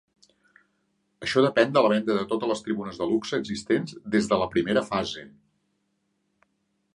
Això depèn de la venda de totes les tribunes de luxe existents des de la primera fase.